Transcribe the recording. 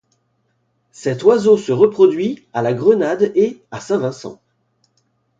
Cet oiseau se reproduit à la Grenade et à Saint-Vincent.